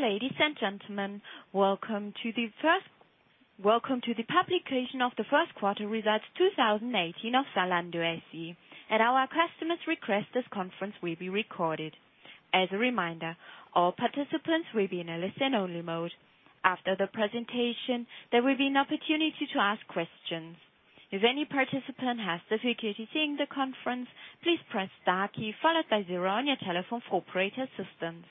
Dear ladies and gentlemen, welcome to the publication of the first quarter results 2018 of Zalando SE. At our customers' request, this conference will be recorded. As a reminder, all participants will be in a listen-only mode. After the presentation, there will be an opportunity to ask questions. If any participant has difficulty hearing the conference, please press star key followed by zero on your telephone for operator assistance.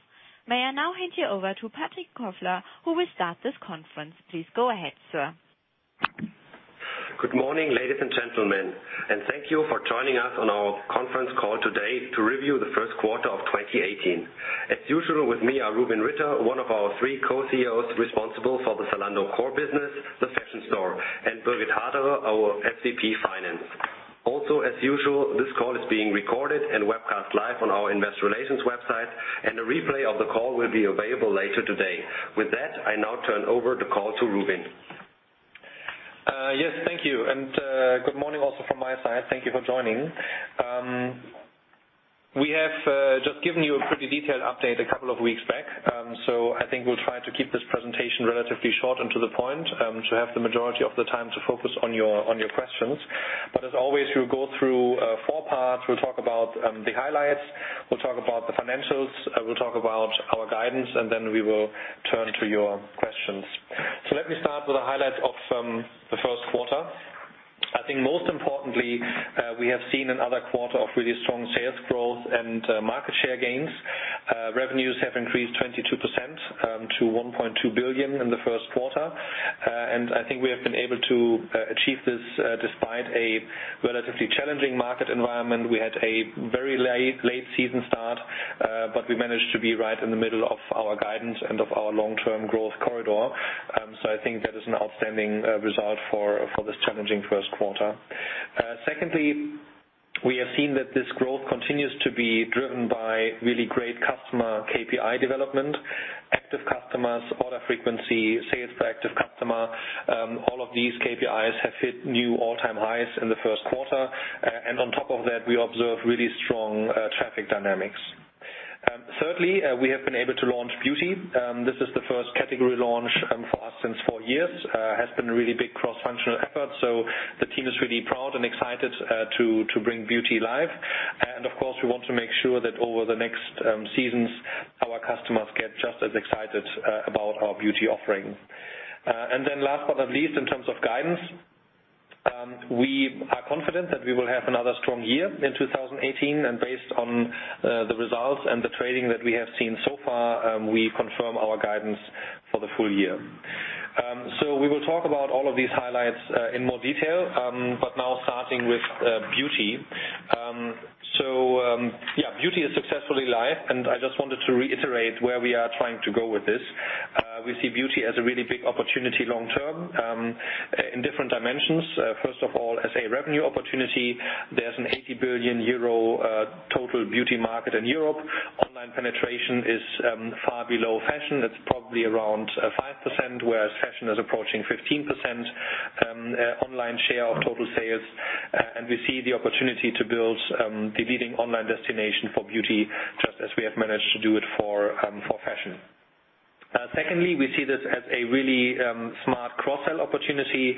May I now hand you over to Patrick Kofler, who will start this conference. Please go ahead, sir. Good morning, ladies and gentlemen. Thank you for joining us on our conference call today to review the first quarter of 2018. As usual with me are Rubin Ritter, one of our three co-CEOs responsible for the Zalando core business, the fashion store, and Birgit Haderer, our SVP, Finance. As usual, this call is being recorded and webcast live on our investor relations website, and a replay of the call will be available later today. With that, I now turn over the call to Rubin. Thank you and good morning also from my side. Thank you for joining. We have just given you a pretty detailed update a couple of weeks back. I think we'll try to keep this presentation relatively short and to the point to have the majority of the time to focus on your questions. As always, we'll go through four parts. We'll talk about the highlights, we'll talk about the financials, we'll talk about our guidance, then we will turn to your questions. Let me start with the highlights of the first quarter. I think most importantly, we have seen another quarter of really strong sales growth and market share gains. Revenues have increased 22% to 1.2 billion in the first quarter. I think we have been able to achieve this despite a relatively challenging market environment. We had a very late season start. We managed to be right in the middle of our guidance and of our long-term growth corridor. I think that is an outstanding result for this challenging first quarter. Secondly, we have seen that this growth continues to be driven by really great customer KPI development. Active customers, order frequency, sales per active customer, all of these KPIs have hit new all-time highs in the first quarter. On top of that, we observe really strong traffic dynamics. Thirdly, we have been able to launch beauty. This is the first category launch for us since four years. It has been a really big cross-functional effort, the team is really proud and excited to bring beauty live. Of course, we want to make sure that over the next seasons, our customers get just as excited about our beauty offering. Last but not least, in terms of guidance, we are confident that we will have another strong year in 2018. Based on the results and the trading that we have seen so far, we confirm our guidance for the full year. We will talk about all of these highlights in more detail. Now starting with beauty. Yeah, beauty is successfully live, and I just wanted to reiterate where we are trying to go with this. We see beauty as a really big opportunity long term, in different dimensions. First of all, as a revenue opportunity, there's an 80 billion euro total beauty market in Europe. Online penetration is far below fashion. It's probably around 5%, whereas fashion is approaching 15% online share of total sales. We see the opportunity to build the leading online destination for beauty, just as we have managed to do it for fashion. Secondly, we see this as a really smart cross-sell opportunity.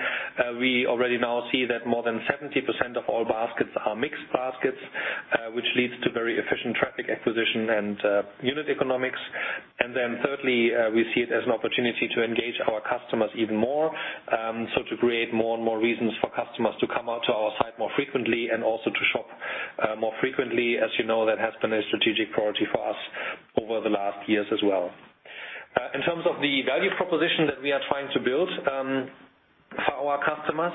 We already now see that more than 70% of all baskets are mixed baskets, which leads to very efficient traffic acquisition and unit economics. Thirdly, we see it as an opportunity to engage our customers even more, to create more and more reasons for customers to come out to our site more frequently and also to shop more frequently. As you know, that has been a strategic priority for us over the last years as well. In terms of the value proposition that we are trying to build for our customers,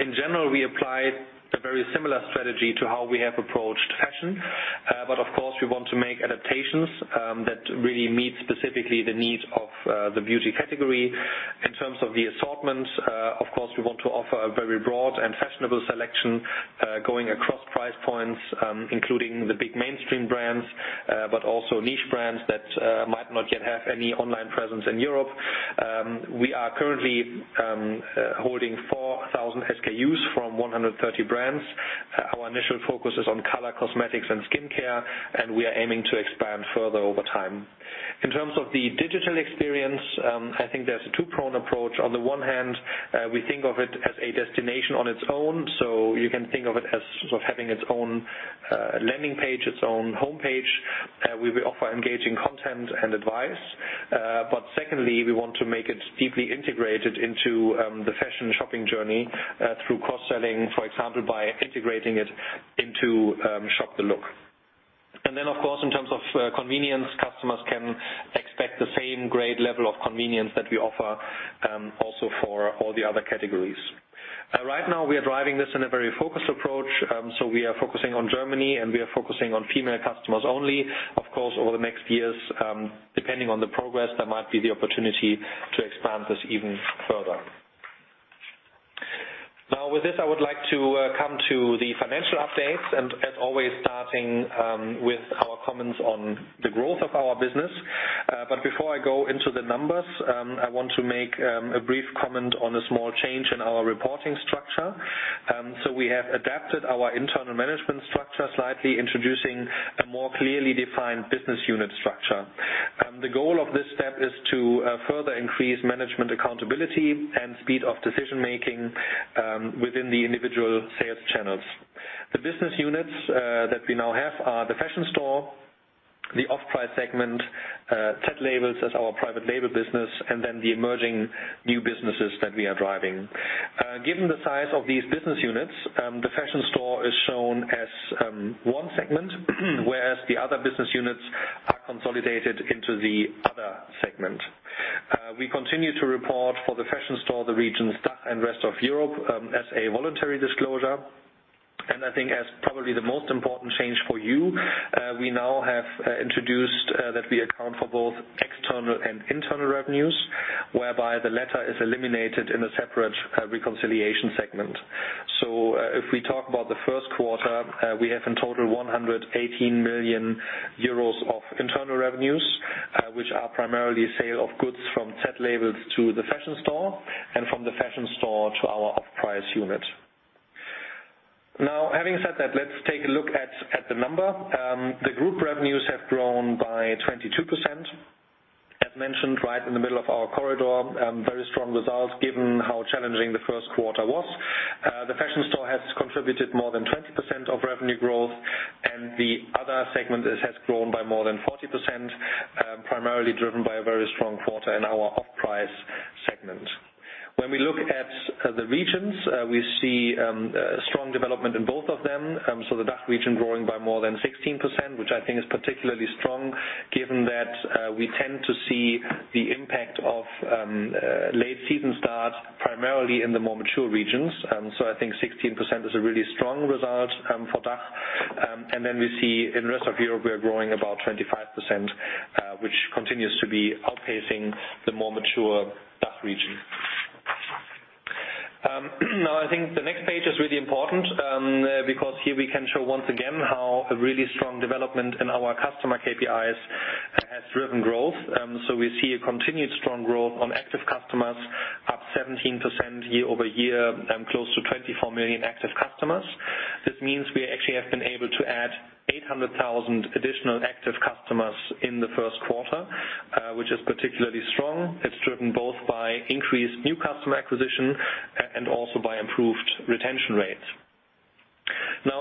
in general, we apply a very similar strategy to how we have approached fashion. Of course, we want to make adaptations that really meet specifically the needs of the beauty category. In terms of the assortment, of course, we want to offer a very broad and fashionable selection going across price points, including the big mainstream brands but also niche brands that might not yet have any online presence in Europe. We are currently holding 4,000 SKUs from 130 brands. Our initial focus is on color cosmetics and skincare, and we are aiming to expand further over time. In terms of the digital experience, I think there's a two-pronged approach. On the one hand, we think of it as a destination on its own, so you can think of it as sort of having its own landing page, its own homepage, where we offer engaging content and advice. Secondly, we want to make it deeply integrated into the fashion shopping journey through cross-selling, for example, by integrating it into Shop the Look. Of course, in terms of convenience, customers can expect the same great level of convenience that we offer also for all the other categories. Right now, we are driving this in a very focused approach. We are focusing on Germany and we are focusing on female customers only. Of course, over the next years, depending on the progress, there might be the opportunity to expand this even further. With this, I would like to come to the financial updates and as always, starting with our comments on the growth of our business. Before I go into the numbers, I want to make a brief comment on a small change in our reporting structure. We have adapted our internal management structure slightly, introducing a more clearly defined business unit structure. The goal of this step is to further increase management accountability and speed of decision-making within the individual sales channels. The business units that we now have are the Fashion Store, the Off-Price Segment, zLabels as our private label business, and then the Emerging New Businesses that we are driving. Given the size of these business units, the Fashion Store is shown as one segment, whereas the other business units are consolidated into the other segment. We continue to report for the Fashion Store, the regions DACH and Rest of Europe, as a voluntary disclosure. I think as probably the most important change for you, we now have introduced that we account for both external and internal revenues, whereby the latter is eliminated in a separate reconciliation segment. If we talk about the first quarter, we have in total, 118 million euros of internal revenues, which are primarily sale of goods from zLabels to the Fashion Store and from the Fashion Store to our Off-Price unit. Having said that, let's take a look at the number. The group revenues have grown by 22%. As mentioned, right in the middle of our corridor, very strong results given how challenging the first quarter was. The Fashion Store has contributed more than 20% of revenue growth, and the other segment has grown by more than 40%, primarily driven by a very strong quarter in our Off-Price Segment. When we look at the regions, we see strong development in both of them. The DACH region growing by more than 16%, which I think is particularly strong given that we tend to see the impact of late season starts primarily in the more mature regions. I think 16% is a really strong result for DACH. We see in the Rest of Europe, we are growing about 25%, which continues to be outpacing the more mature DACH region. I think the next page is really important because here we can show once again how a really strong development in our customer KPIs has driven growth. We see a continued strong growth on active customers, up 17% year-over-year, close to 24 million active customers. This means we actually have been able to add 800,000 additional active customers in the first quarter, which is particularly strong. It's driven both by increased new customer acquisition and also by improved retention rates.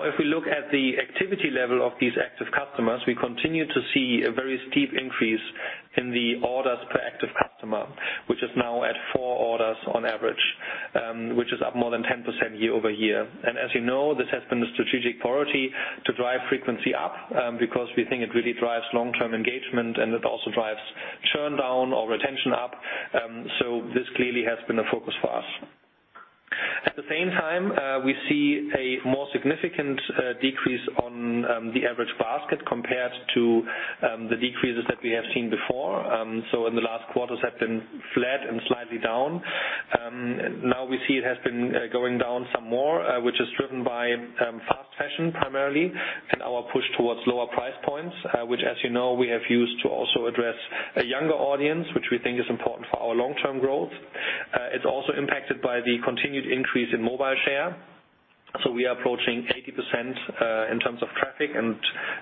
If we look at the activity level of these active customers, we continue to see a very steep increase in the orders per active customer. Which is now at four orders on average, which is up more than 10% year-over-year. As you know, this has been a strategic priority to drive frequency up because we think it really drives long-term engagement and it also drives churn down or retention up. This clearly has been a focus for us. At the same time, we see a more significant decrease on the average basket compared to the decreases that we have seen before. In the last quarters have been flat and slightly down. We see it has been going down some more, which is driven by fast fashion primarily, and our push towards lower price points. As you know, we have used to also address a younger audience, which we think is important for our long-term growth. It is also impacted by the continued increase in mobile share. We are approaching 80% in terms of traffic and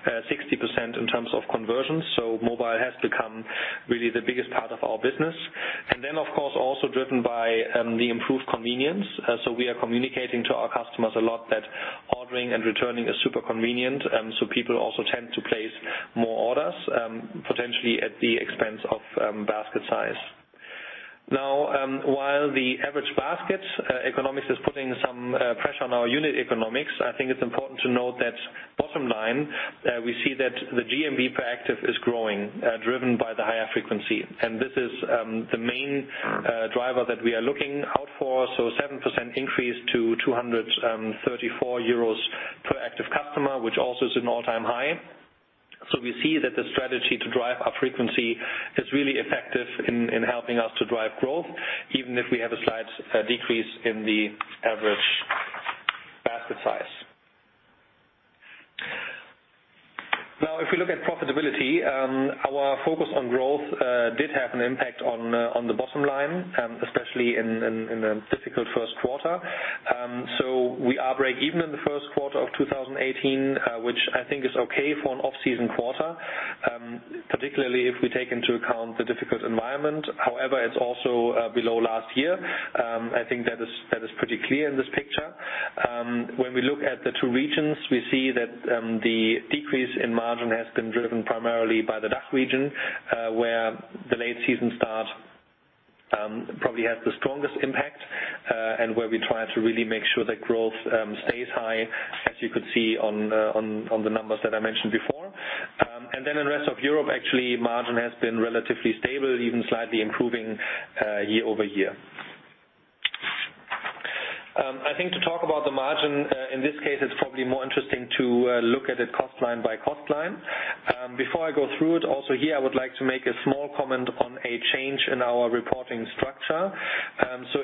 60% in terms of conversions. Mobile has become really the biggest part of our business. Of course, also driven by the improved convenience. We are communicating to our customers a lot that ordering and returning is super convenient. People also tend to place more orders, potentially at the expense of basket size. While the average basket economics is putting some pressure on our unit economics, I think it is important to note that bottom line, we see that the GMV per active is growing, driven by the higher frequency. This is the main driver that we are looking out for. 7% increase to 234 euros per active customer, which also is an all-time high. We see that the strategy to drive up frequency is really effective in helping us to drive growth, even if we have a slight decrease in the average basket size. If we look at profitability, our focus on growth did have an impact on the bottom line, especially in a difficult first quarter. We are breakeven in the first quarter of 2018, which I think is okay for an off-season quarter. Particularly if we take into account the difficult environment. It is also below last year. I think that is pretty clear in this picture. When we look at the two regions, we see that the decrease in margin has been driven primarily by the DACH region. Where the late season start probably has the strongest impact, and where we try to really make sure that growth stays high, as you could see on the numbers that I mentioned before. In the rest of Europe, actually, margin has been relatively stable, even slightly improving year-over-year. I think to talk about the margin, in this case, it is probably more interesting to look at it cost line by cost line. Before I go through it, also here, I would like to make a small comment on a change in our reporting structure.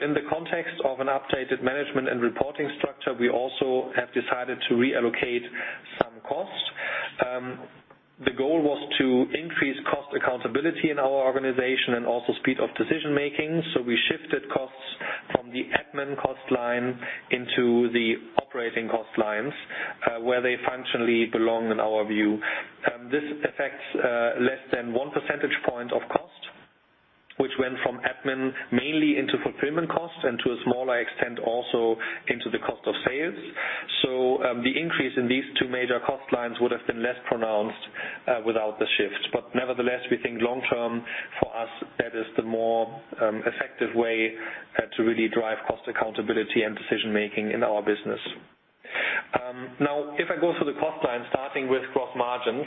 In the context of an updated management and reporting structure, we also have decided to reallocate some costs. The goal was to increase cost accountability in our organization and also speed of decision-making. We shifted costs from the admin cost line into the operating cost lines, where they functionally belong in our view. This affects less than one percentage point of cost, which went from admin mainly into fulfillment costs and to a smaller extent, also into the cost of sales. The increase in these two major cost lines would have been less pronounced without the shift. Nevertheless, we think long-term for us, that is the more effective way to really drive cost accountability and decision-making in our business. If I go through the cost line, starting with gross margins.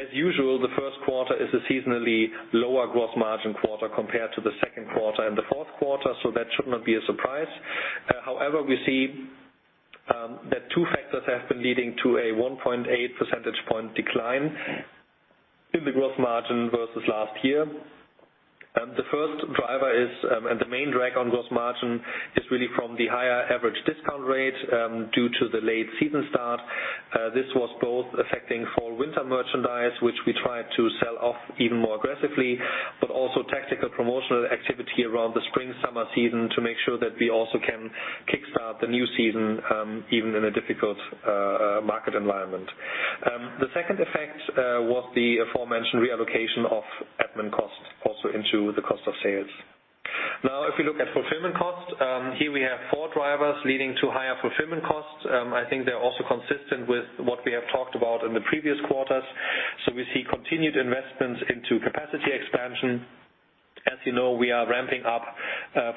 As usual, the first quarter is a seasonally lower gross margin quarter compared to the second quarter and the fourth quarter, so that should not be a surprise. However, we see that two factors have been leading to a 1.8 percentage point decline in the gross margin versus last year. The first driver is, and the main drag on gross margin, is really from the higher average discount rate due to the late season start. This was both affecting fall/winter merchandise, which we tried to sell off even more aggressively, but also tactical promotional activity around the spring/summer season to make sure that we also can kickstart the new season, even in a difficult market environment. The second effect was the aforementioned reallocation of admin costs also into the cost of sales. Now, if we look at fulfillment costs. Here we have four drivers leading to higher fulfillment costs. I think they're also consistent with what we have talked about in the previous quarters. We see continued investments into capacity expansion. As you know, we are ramping up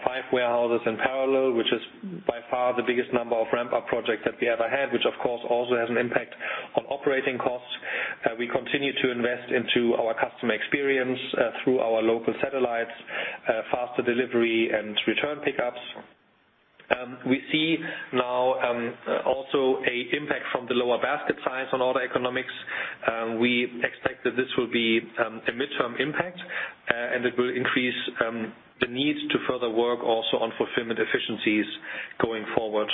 five warehouses in parallel, which is by far the biggest number of ramp-up projects that we ever had, which of course also has an impact on operating costs. We continue to invest into our customer experience through our local satellites, faster delivery, and return pickups. We see now also an impact from the lower basket size on order economics. We expect that this will be a midterm impact, and it will increase the need to further work also on fulfillment efficiencies going forward.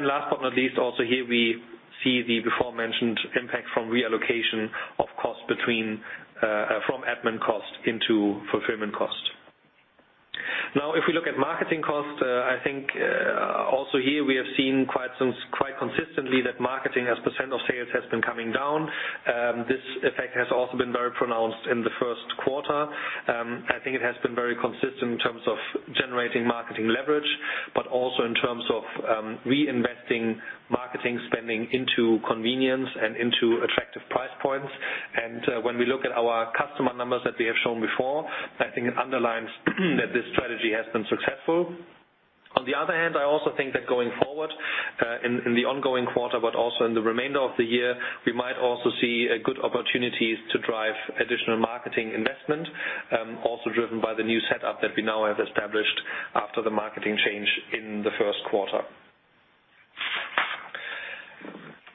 Last but not least, also here we see the before-mentioned impact from reallocation of cost from admin cost into fulfillment cost. Now, if we look at marketing costs, I think also here we have seen quite consistently that marketing as % of sales has been coming down. This effect has also been very pronounced in the first quarter. I think it has been very consistent in terms of generating marketing leverage, but also in terms of reinvesting marketing spending into convenience and into attractive price points. When we look at our customer numbers that we have shown before, I think it underlines that this strategy has been successful. On the other hand, I also think that going forward in the ongoing quarter, but also in the remainder of the year, we might also see good opportunities to drive additional marketing investment. Also driven by the new setup that we now have established after the marketing change in the first quarter.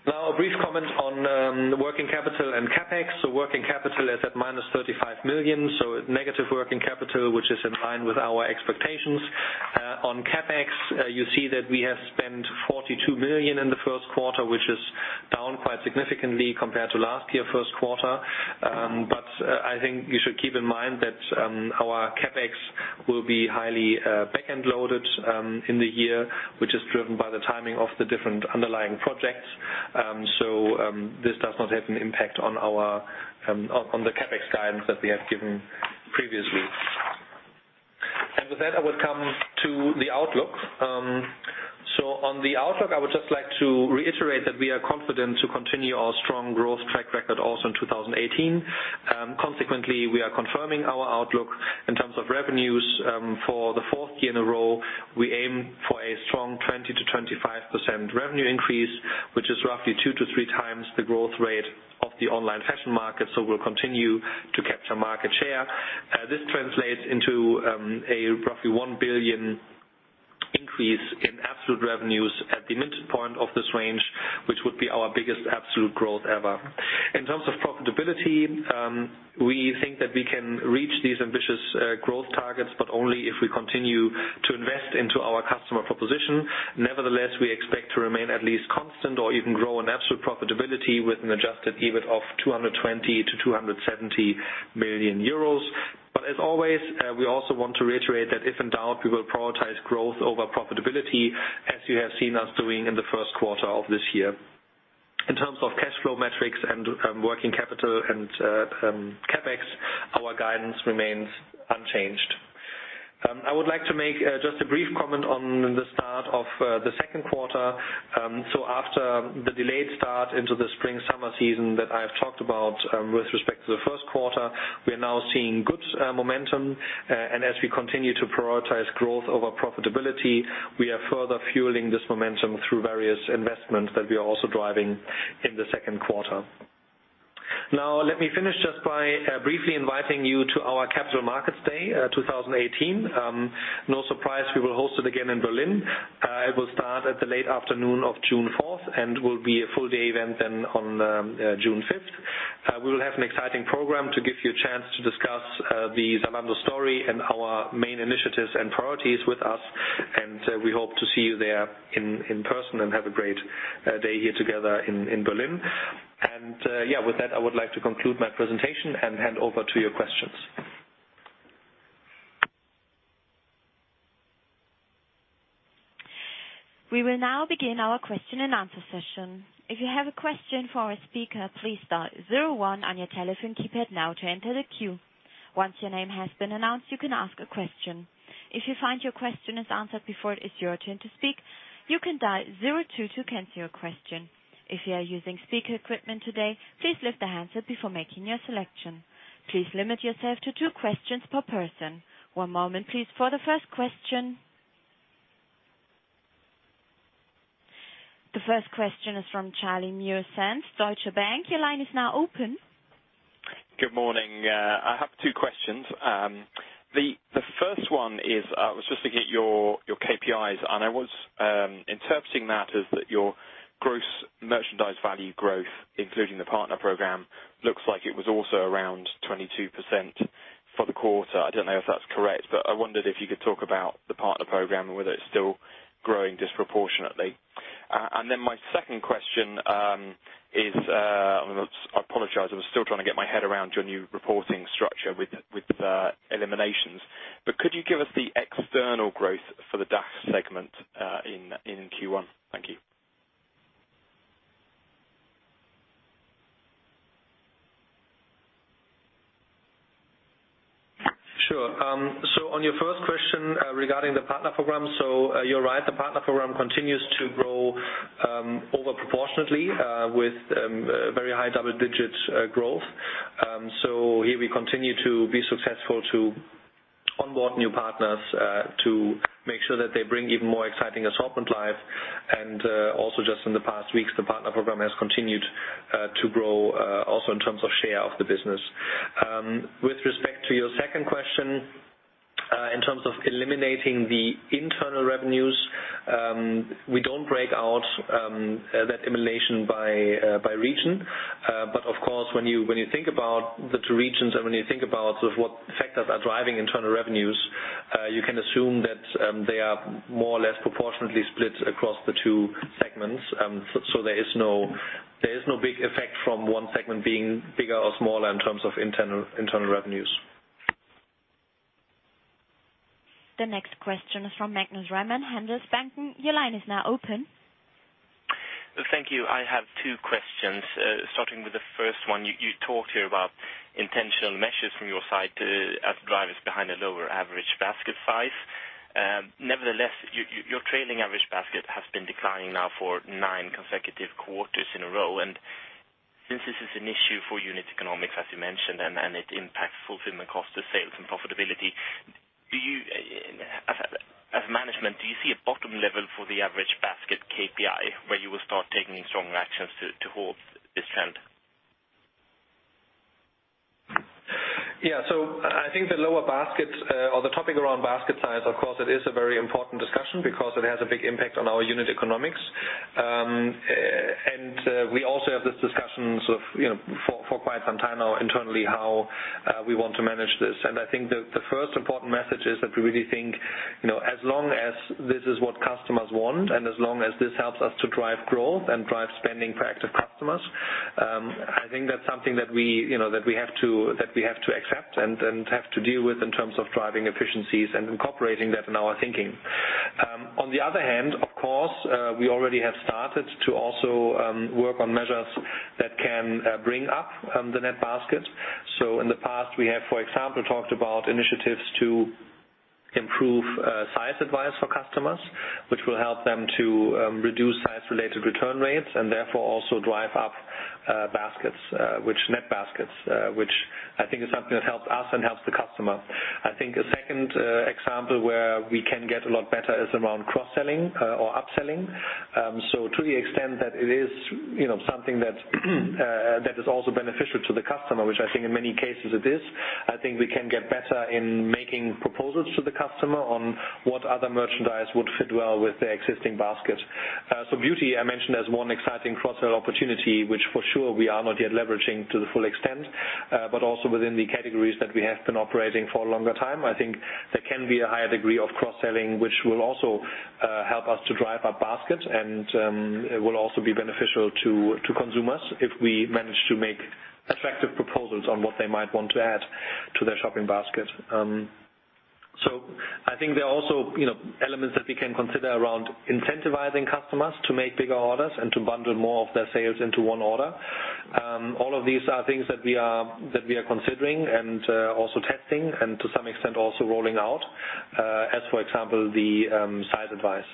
Now, a brief comment on working capital and CapEx. Working capital is at -35 million, so negative working capital, which is in line with our expectations. On CapEx, you see that we have spent 42 million in the first quarter, which is down quite significantly compared to last year first quarter. I think you should keep in mind that our CapEx will be highly back-end loaded in the year, which is driven by the timing of the different underlying projects. This does not have an impact on the CapEx guidance that we have given previously. With that, I would come to the outlook. On the outlook, I would just like to reiterate that we are confident to continue our strong growth track record also in 2018. Consequently, we are confirming our outlook in terms of revenues. For the 4th year in a row, we aim for a strong 20%-25% revenue increase, which is roughly two to three times the growth rate of the online fashion market. We'll continue to capture market share. This translates into a roughly 1 billion increase in absolute revenues at the midpoint of this range, which would be our biggest absolute growth ever. In terms of profitability, we think that we can reach these ambitious growth targets, but only if we continue to invest into our customer proposition. Nevertheless, we expect to remain at least constant or even grow in absolute profitability with an adjusted EBIT of 220 million-270 million euros. As always, we also want to reiterate that if in doubt, we will prioritize growth over profitability as you have seen us doing in the first quarter of this year. In terms of cash flow metrics and working capital and CapEx, our guidance remains unchanged. I would like to make just a brief comment on the start of the second quarter. After the delayed start into the spring/summer season that I have talked about with respect to the first quarter, we are now seeing good momentum. As we continue to prioritize growth over profitability, we are further fueling this momentum through various investments that we are also driving in the second quarter. Let me finish just by briefly inviting you to our Capital Markets Day 2018. No surprise, we will host it again in Berlin. It will start at the late afternoon of June 4th and will be a full-day event then on June 5th. We will have an exciting program to give you a chance to discuss the Zalando story and our main initiatives and priorities with us. We hope to see you there in person and have a great day here together in Berlin. With that, I would like to conclude my presentation and hand over to your questions. We will now begin our question and answer session. If you have a question for a speaker, please dial 01 on your telephone keypad now to enter the queue. Once your name has been announced, you can ask a question. If you find your question is answered before it is your turn to speak, you can dial 02 to cancel your question. If you are using speaker equipment today, please lift the handset before making your selection. Please limit yourself to two questions per person. One moment please for the first question. The first question is from Charlie Muresan, Deutsche Bank. Your line is now open. Good morning. I have two questions. The first one is, I was just looking at your KPIs, and I was interpreting that as that your gross merchandise value growth, including the partner program, looks like it was also around 22% for the quarter. I don't know if that's correct, but I wondered if you could talk about the partner program and whether it's still growing disproportionately. My second question is, I apologize, I was still trying to get my head around your new reporting structure with eliminations. Could you give us the external growth for the DACH segment, in Q1? Thank you. Sure. On your first question, regarding the partner program. You're right, the partner program continues to grow over proportionately, with very high double digits growth. Here we continue to be successful to onboard new partners, to make sure that they bring even more exciting assortment life. Also just in the past weeks, the partner program has continued to grow, also in terms of share of the business. With respect to your second question, in terms of eliminating the internal revenues, we don't break out that elimination by region. Of course, when you think about the two regions and when you think about what factors are driving internal revenues, you can assume that they are more or less proportionately split across the two segments. There is no big effect from one segment being bigger or smaller in terms of internal revenues. The next question is from Magnus Råman, Handelsbanken. Your line is now open. Thank you. I have two questions. Starting with the first one. You talked here about intentional measures from your side as drivers behind a lower average basket size. Nevertheless, your trailing average basket has been declining now for nine consecutive quarters in a row. Since this is an issue for unit economics, as you mentioned, and it impacts fulfillment cost of sales and profitability. As management, do you see a bottom level for the average basket KPI where you will start taking strong actions to halt this trend? Yeah. I think the lower basket or the topic around basket size, of course, it is a very important discussion because it has a big impact on our unit economics. We also have this discussion for quite some time now internally how we want to manage this. I think the first important message is that we really think, as long as this is what customers want and as long as this helps us to drive growth and drive spending for active customers, I think that's something that we have to accept and have to deal with in terms of driving efficiencies and incorporating that in our thinking. On the other hand, of course, we already have started to also work on measures that can bring up the net basket. In the past we have, for example, talked about initiatives to improve size advice for customers, which will help them to reduce size-related return rates and therefore also drive up net baskets, which I think is something that helps us and helps the customer. I think a second example where we can get a lot better is around cross-selling or upselling. To the extent that it is something that is also beneficial to the customer, which I think in many cases it is, I think we can get better in making proposals to the customer on what other merchandise would fit well with their existing basket. Beauty I mentioned as one exciting cross-sell opportunity, which for sure we are not yet leveraging to the full extent. Also within the categories that we have been operating for a longer time, I think there can be a higher degree of cross-selling, which will also help us to drive up basket and it will also be beneficial to consumers if we manage to make attractive proposals on what they might want to add to their shopping basket. I think there are also elements that we can consider around incentivizing customers to make bigger orders and to bundle more of their sales into one order. All of these are things that we are considering and also testing and to some extent also rolling out, as, for example, the size advice.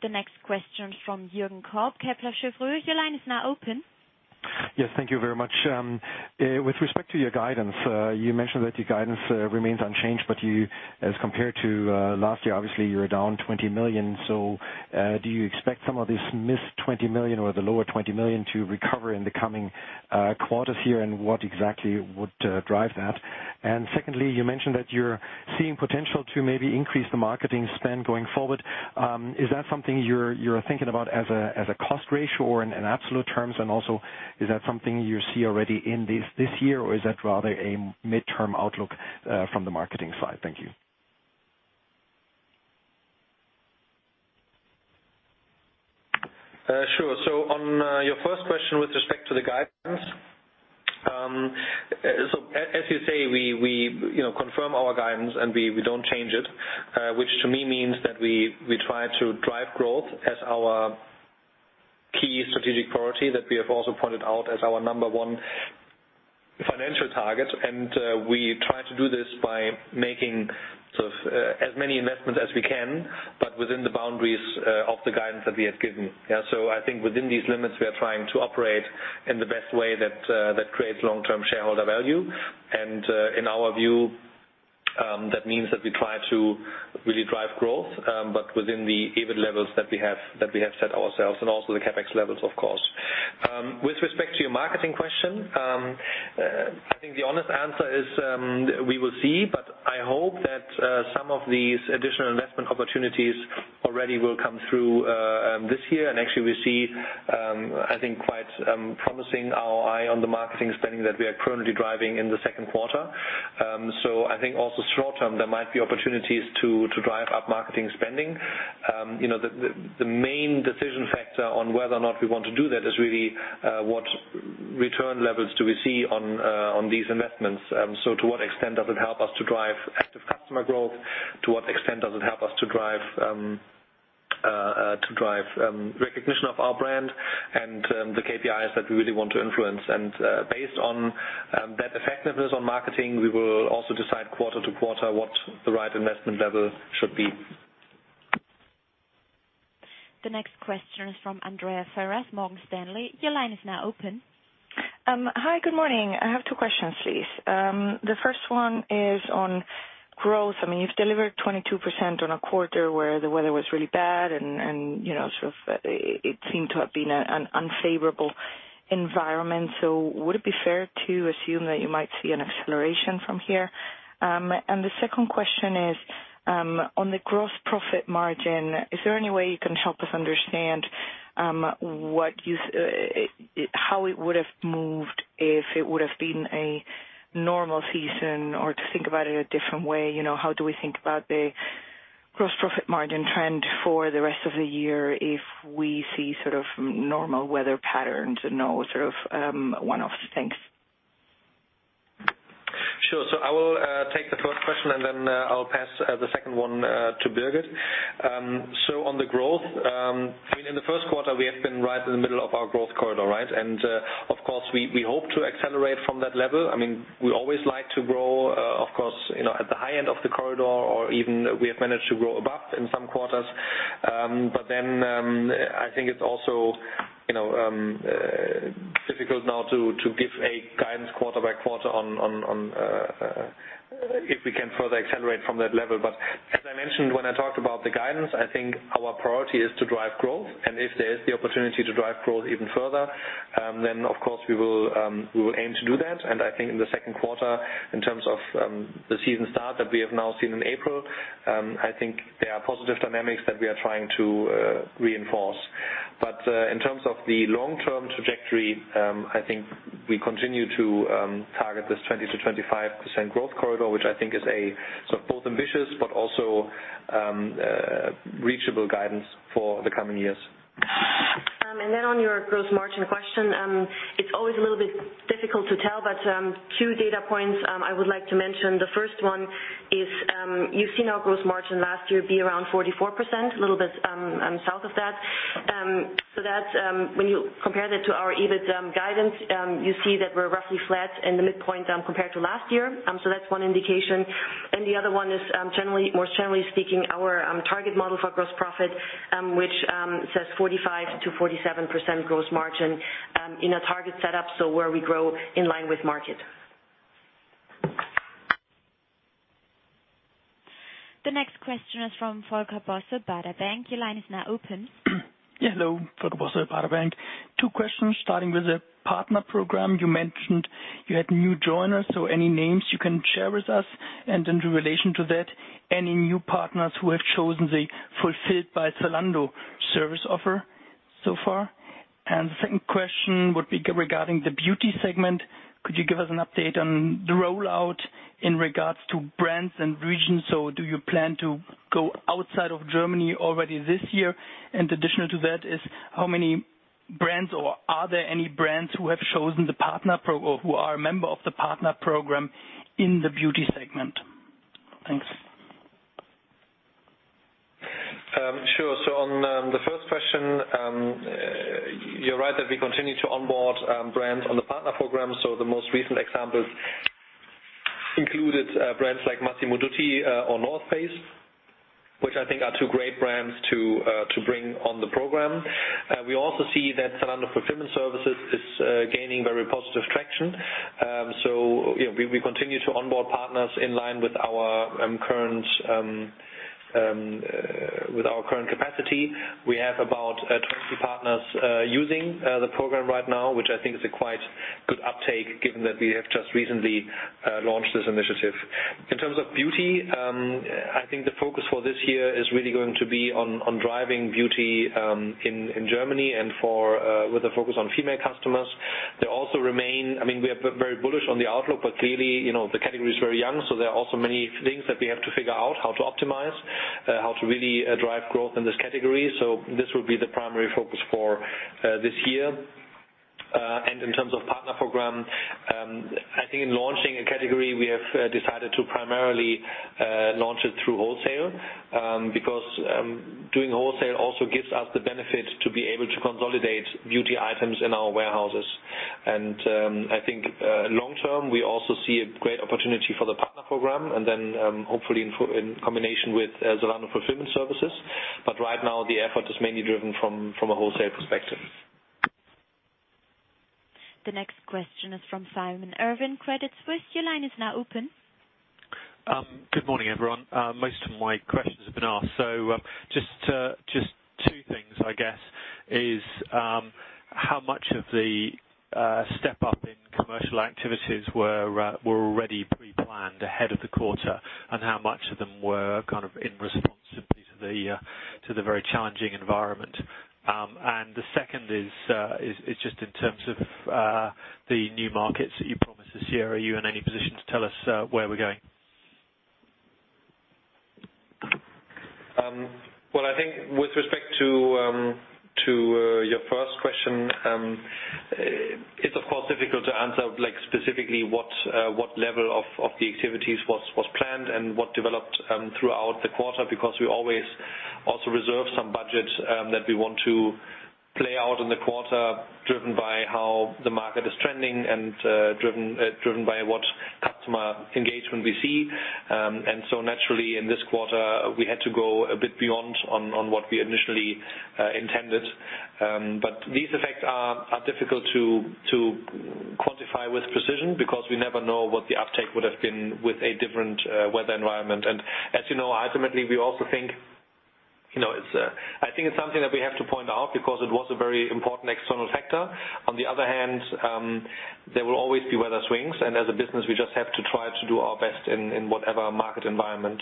The next question from Jürgen Kolb, Kepler Cheuvreux. Your line is now open. Yes. Thank you very much. With respect to your guidance, you mentioned that your guidance remains unchanged, but as compared to last year, obviously you were down 20 million. Do you expect some of this missed 20 million or the lower 20 million to recover in the coming quarters here? What exactly would drive that? Secondly, you mentioned that you're seeing potential to maybe increase the marketing spend going forward. Is that something you're thinking about as a cost ratio or in absolute terms? Also, is that something you see already in this year, or is that rather a midterm outlook from the marketing side? Thank you. On your first question with respect to the guidance. As you say, we confirm our guidance and we don't change it, which to me means that we try to drive growth as our key strategic priority, that we have also pointed out as our number one financial target. We try to do this by making as many investments as we can, but within the boundaries of the guidance that we have given. I think within these limits, we are trying to operate in the best way that creates long-term shareholder value. In our view, that means that we try to really drive growth, but within the EBIT levels that we have set ourselves and also the CapEx levels, of course. With respect to your marketing question, I think the honest answer is, we will see, but I hope that some of these additional investment opportunities already will come through this year. Actually, we see, I think, quite promising ROI on the marketing spending that we are currently driving in the second quarter. I think also short term, there might be opportunities to drive up marketing spending. The main decision factor on whether or not we want to do that is really what return levels do we see on these investments. To what extent does it help us to drive active customer growth? To what extent does it help us to drive recognition of our brand and the KPIs that we really want to influence? Based on that effectiveness on marketing, we will also decide quarter to quarter what the right investment level should be. The next question is from Andrea Ferraz, Morgan Stanley. Your line is now open. Hi, good morning. I have two questions, please. The first one is on growth. You've delivered 22% on a quarter where the weather was really bad and it seemed to have been an unfavorable environment. Would it be fair to assume that you might see an acceleration from here? The second question is on the gross profit margin, is there any way you can help us understand how it would have moved if it would have been a normal season? To think about it a different way, how do we think about the gross profit margin trend for the rest of the year if we see normal weather patterns and no one-off things? Sure. I will take the first question, and then I'll pass the second one to Birgit. On the growth, in the first quarter, we have been right in the middle of our growth corridor. Of course, we hope to accelerate from that level. We always like to grow, of course, at the high end of the corridor or even we have managed to grow above in some quarters. I think it's also difficult now to give a guidance quarter by quarter on if we can further accelerate from that level. As I mentioned when I talked about the guidance, I think our priority is to drive growth. If there is the opportunity to drive growth even further, then of course we will aim to do that. I think in the second quarter, in terms of the season start that we have now seen in April, I think there are positive dynamics that we are trying to reinforce. In terms of the long-term trajectory, I think we continue to target this 20%-25% growth corridor, which I think is both ambitious but also reachable guidance for the coming years. On your gross margin question, it's always a little bit difficult to tell, but two data points I would like to mention. The first one is, you've seen our gross margin last year be around 44%, a little bit south of that. When you compare that to our EBIT guidance, you see that we're roughly flat in the midpoint compared to last year. That's one indication. The other one is more generally speaking, our target model for gross profit, which says 45%-47% gross margin in a target setup, so where we grow in line with market. The next question is from Volker Bosse, Baader Bank. Your line is now open. Hello, Volker Bosse, Baader Bank. Two questions starting with the partner program. You mentioned you had new joiners, any names you can share with us? In relation to that, any new partners who have chosen the Fulfilled by Zalando service offer so far? The second question would be regarding the beauty segment. Could you give us an update on the rollout in regards to brands and regions? Do you plan to go outside of Germany already this year? Additional to that is, how many brands or are there any brands who are a member of the partner program in the beauty segment? Thanks. Sure. On the first question, you're right that we continue to onboard brands on the partner program. The most recent examples included brands like Massimo Dutti or North Face, which I think are two great brands to bring on the program. We also see that Zalando Fulfillment Solutions is gaining very positive traction. We continue to onboard partners in line with our current capacity. We have about 20 partners using the program right now, which I think is a quite good uptake given that we have just recently launched this initiative. In terms of beauty, I think the focus for this year is really going to be on driving beauty in Germany and with a focus on female customers. We are very bullish on the outlook, but clearly, the category is very young, so there are also many things that we have to figure out how to optimize, how to really drive growth in this category. This will be the primary focus for this year. In terms of partner program, I think in launching a category, we have decided to primarily launch it through wholesale, because doing wholesale also gives us the benefit to be able to consolidate beauty items in our warehouses. I think, long term, we also see a great opportunity for the partner program, and then hopefully in combination with Zalando Fulfillment Solutions. Right now, the effort is mainly driven from a wholesale perspective. The next question is from Simon Irwin, Credit Suisse. Your line is now open. Good morning, everyone. Most of my questions have been asked. Just two things, I guess, is how much of the step-up in commercial activities were already pre-planned ahead of the quarter, and how much of them were in response simply to the very challenging environment? The second is just in terms of the new markets that you promised this year. Are you in any position to tell us where we're going? Well, I think with respect to your first question, it's of course difficult to answer specifically what level of the activities was planned and what developed throughout the quarter, because we always also reserve some budget that we want to play out in the quarter, driven by how the market is trending and driven by what customer engagement we see. Naturally, in this quarter, we had to go a bit beyond on what we initially intended. These effects are difficult to quantify with precision because we never know what the uptake would have been with a different weather environment. As you know, ultimately, we also think, I think it's something that we have to point out because it was a very important external factor. On the other hand, there will always be weather swings, and as a business, we just have to try to do our best in whatever market environment.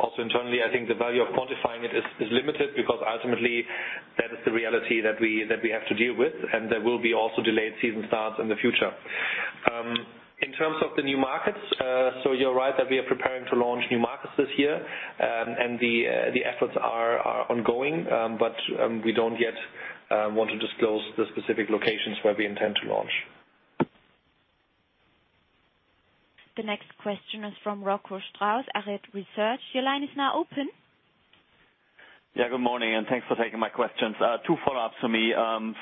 Also internally, I think the value of quantifying it is limited because ultimately that is the reality that we have to deal with, and there will be also delayed season starts in the future. In terms of the new markets, you're right that we are preparing to launch new markets this year, and the efforts are ongoing. We don't yet want to disclose the specific locations where we intend to launch. The next question is from Rocco Strauss, Arete Research. Your line is now open. Good morning, and thanks for taking my questions. Two follow-ups for me.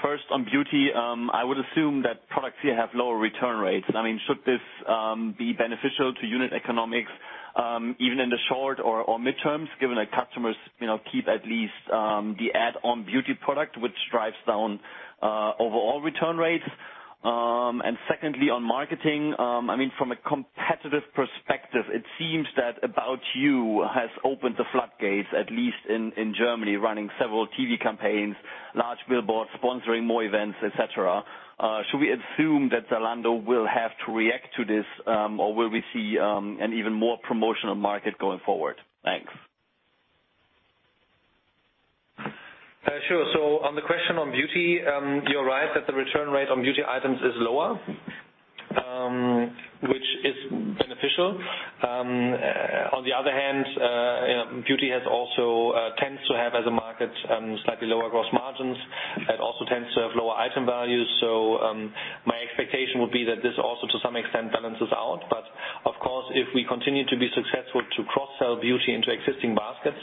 First, on beauty, I would assume that products here have lower return rates. Should this be beneficial to unit economics, even in the short or midterms, given that customers keep at least the add-on beauty product, which drives down overall return rates? Secondly, on marketing, from a competitive perspective, it seems that About You has opened the floodgates, at least in Germany, running several TV campaigns, large billboards, sponsoring more events, et cetera. Should we assume that Zalando will have to react to this, or will we see an even more promotional market going forward? Thanks. Sure. On the question on beauty, you're right that the return rate on beauty items is lower, which is beneficial. On the other hand, beauty tends to have, as a market, slightly lower gross margins. It also tends to have lower item values. My expectation would be that this also, to some extent, balances out. Of course, if we continue to be successful to cross-sell beauty into existing baskets,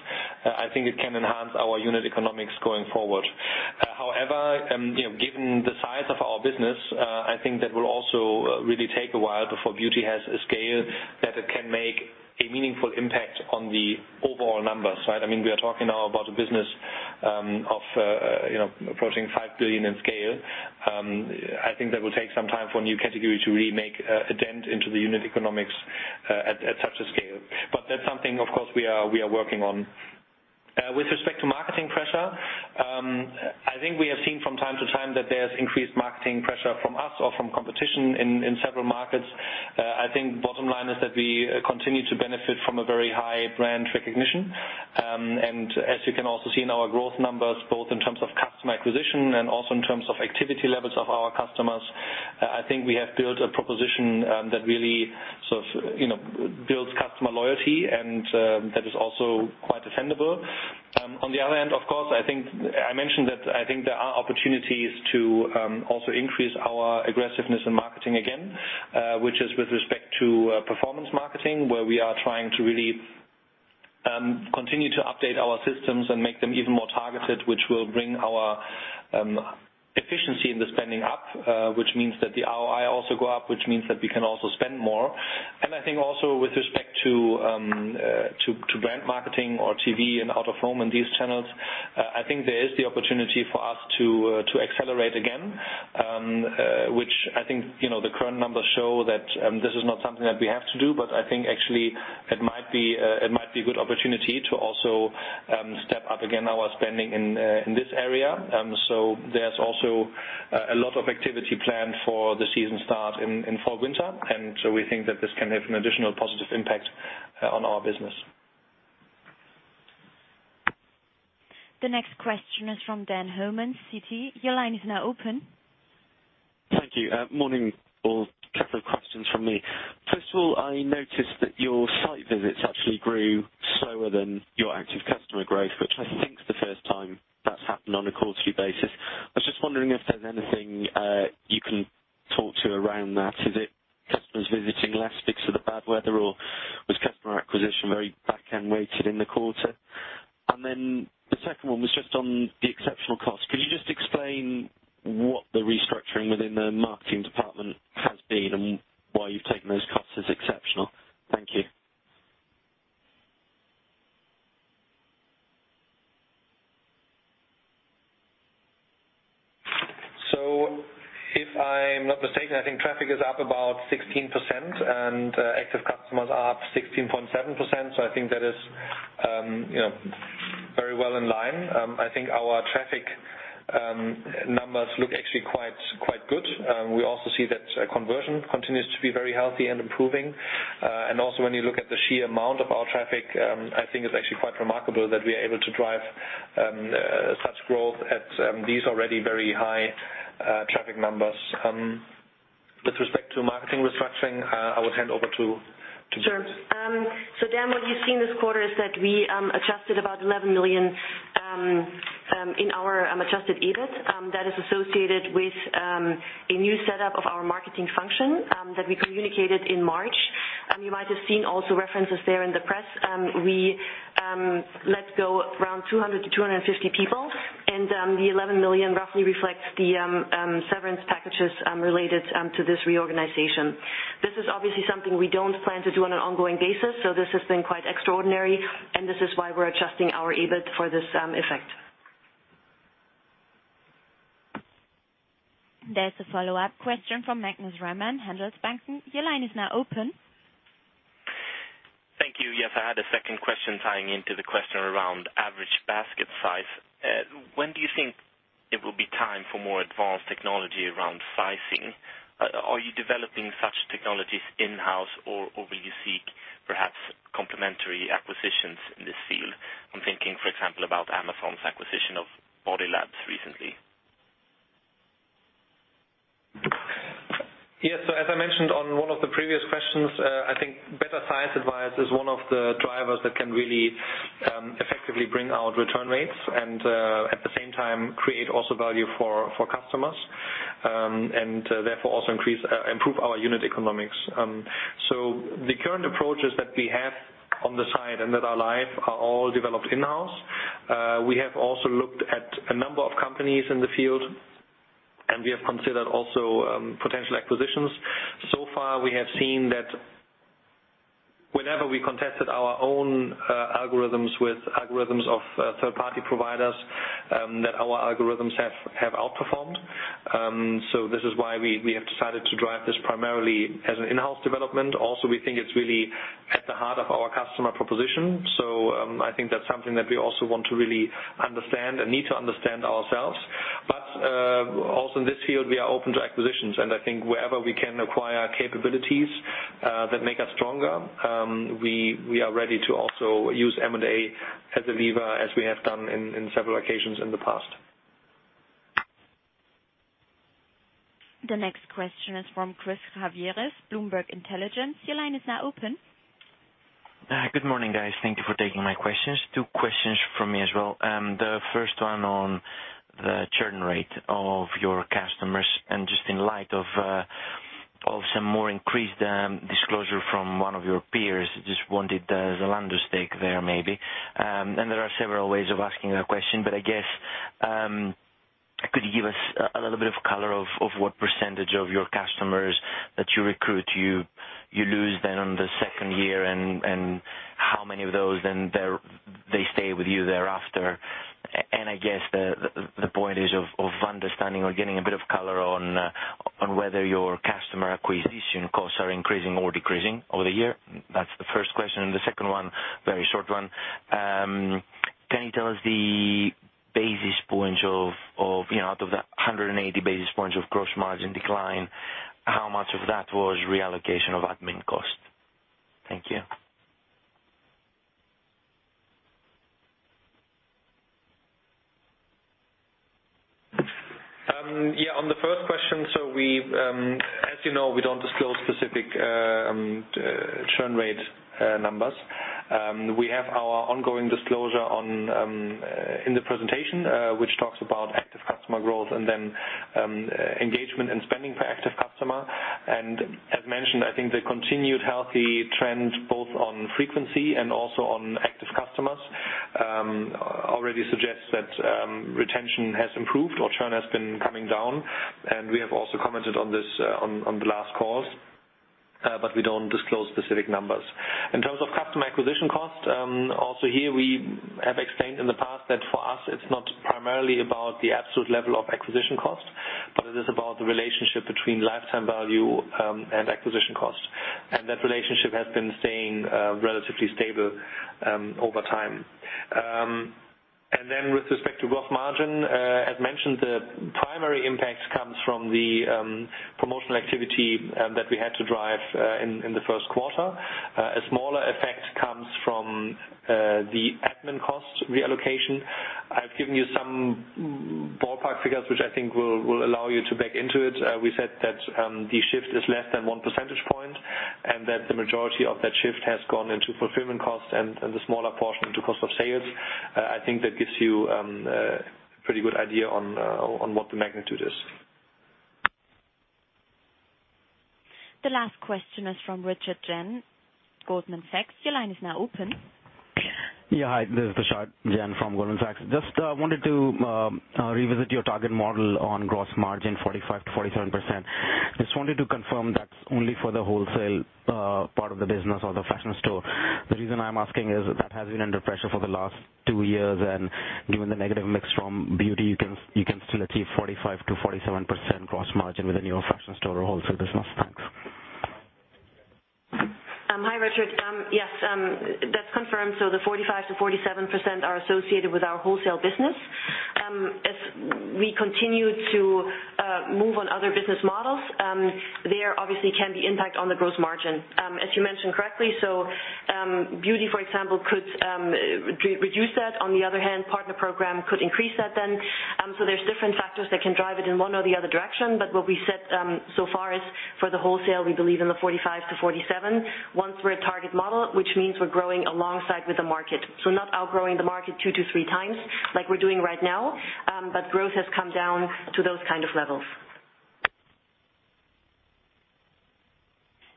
I think it can enhance our unit economics going forward. However, given the size of our business, I think that will also really take a while before beauty has a scale that it can make a meaningful impact on the overall numbers. We are talking now about a business approaching 5 billion in scale. I think that will take some time for a new category to really make a dent into the unit economics at such a scale. That's something, of course, we are working on. With respect to marketing pressure, I think we have seen from time to time that there's increased marketing pressure from us or from competition in several markets. I think bottom line is that we continue to benefit from a very high brand recognition. As you can also see in our growth numbers, both in terms of customer acquisition and also in terms of activity levels of our customers, I think we have built a proposition that really builds customer loyalty, and that is also quite defendable. On the other hand, of course, I mentioned that I think there are opportunities to also increase our aggressiveness in marketing again, which is with respect to performance marketing, where we are trying to really continue to update our systems and make them even more targeted, which will bring our efficiency in the spending up, which means that the ROI also go up, which means that we can also spend more. I think also with respect to brand marketing or TV and out-of-home and these channels, I think there is the opportunity for us to accelerate again, which I think the current numbers show that this is not something that we have to do. I think actually it might be a good opportunity to also step up again our spending in this area. There's also a lot of activity planned for the season start in fall/winter, we think that this can have an additional positive impact on our business. The next question is from Dan Homan, Citi. Your line is now open. Thank you. Morning, all. Couple of questions from me. First of all, I noticed that your site visits actually grew slower than your active customer growth, which I think is the first time that's happened on a quarterly basis. I was just wondering if there's anything you can talk to around that. Is it customers visiting less because of the bad weather, or was customer acquisition very back-end weighted in the quarter? Then the second one was just on the exceptional cost. Could you just explain what the restructuring within the marketing department has been and why you've taken those costs as exceptional? Thank you. If I'm not mistaken, I think traffic is up about 16% and active customers are up 16.7%. I think that is very well in line. I think our traffic numbers look actually quite good. We also see that conversion continues to be very healthy and improving. Also when you look at the sheer amount of our traffic, I think it's actually quite remarkable that we are able to drive such growth at these already very high traffic numbers. With respect to marketing restructuring, I would hand over to Birgit. Sure. Dan, what you've seen this quarter is that we adjusted about 11 million in our adjusted EBIT that is associated with a new setup of our marketing function that we communicated in March. You might have seen also references there in the press. We let go around 200 to 250 people, and the 11 million roughly reflects the severance packages related to this reorganization. This is obviously something we don't plan to do on an ongoing basis, this has been quite extraordinary and this is why we're adjusting our EBIT for this effect. There's a follow-up question from Magnus Råman, Handelsbanken. Your line is now open. Thank you. Yes, I had a second question tying into the question around average basket size. When do you think it will be time for more advanced technology around sizing? Are you developing such technologies in-house or will you seek perhaps complementary acquisitions in this field? I'm thinking, for example, about Amazon's acquisition of Body Labs recently. As I mentioned on one of the previous questions, I think better size advice is one of the drivers that can really effectively bring out return rates and, at the same time, create also value for customers, and therefore, also improve our unit economics. The current approaches that we have on the side and that are live are all developed in-house. We have also looked at a number of companies in the field, and we have considered also potential acquisitions. So far, we have seen that whenever we contested our own algorithms with algorithms of third-party providers, that our algorithms have outperformed. This is why we have decided to drive this primarily as an in-house development. Also, we think it's really at the heart of our customer proposition. I think that's something that we also want to really understand and need to understand ourselves. Also in this field, we are open to acquisitions, and I think wherever we can acquire capabilities that make us stronger, we are ready to also use M&A as a lever, as we have done in several occasions in the past. The next question is from Charles-Louis Scotti, Bloomberg Intelligence. Your line is now open. Good morning, guys. Thank you for taking my questions. Two questions from me as well. The first one on the churn rate of your customers. Just in light of some more increased disclosure from one of your peers, just wanted the Zalando stake there maybe. There are several ways of asking a question, but I guess, could you give us a little bit of color of what percentage of your customers that you recruit, you lose then on the second year, and how many of those then they stay with you thereafter? I guess the point is of understanding or getting a bit of color on whether your customer acquisition costs are increasing or decreasing over the year. That's the first question. The second one, very short one. Can you tell us the basis points of, out of the 180 basis points of gross margin decline, how much of that was reallocation of admin cost? Thank you. Yeah, on the first question, as you know, we don't disclose specific churn rate numbers. We have our ongoing disclosure in the presentation, which talks about active customer growth and engagement and spending per active customer. As mentioned, I think the continued healthy trend both on frequency and also on active customers already suggests that retention has improved or churn has been coming down. We have also commented on this on the last calls. We don't disclose specific numbers. In terms of customer acquisition cost, also here, we have explained in the past that for us it's not primarily about the absolute level of acquisition cost, but it is about the relationship between lifetime value and acquisition cost. That relationship has been staying relatively stable over time. With respect to gross margin. The impact comes from the promotional activity that we had to drive in the first quarter. A smaller effect comes from the admin cost reallocation. I've given you some ballpark figures, which I think will allow you to back into it. We said that the shift is less than one percentage point, that the majority of that shift has gone into fulfillment costs and the smaller portion into cost of sales. I think that gives you a pretty good idea on what the magnitude is. The last question is from Richard Chamberlain, Goldman Sachs. Your line is now open. Hi, this is Richard Chamberlain from Goldman Sachs. Just wanted to revisit your target model on gross margin, 45%-47%. Just wanted to confirm that's only for the wholesale part of the business or the fashion store. The reason I'm asking is that has been under pressure for the last two years, and given the negative mix from beauty, you can still achieve 45%-47% gross margin within your fashion store or wholesale business. Thanks. Hi, Richard. Yes, that's confirmed. The 45%-47% are associated with our wholesale business. As we continue to move on other business models, there obviously can be impact on the gross margin. As you mentioned correctly, beauty, for example, could reduce that. On the other hand, partner program could increase that then. There's different factors that can drive it in one or the other direction. What we said so far is for the wholesale, we believe in the 45%-47%. Once we're a target model, which means we're growing alongside with the market. Not outgrowing the market two to three times like we're doing right now, but growth has come down to those kind of levels.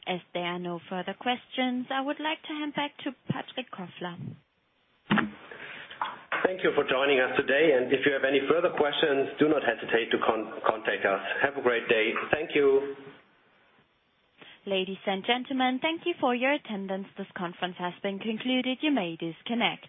As there are no further questions, I would like to hand back to Patrick Kofler. Thank you for joining us today. If you have any further questions, do not hesitate to contact us. Have a great day. Thank you. Ladies and gentlemen, thank you for your attendance. This conference has been concluded. You may disconnect.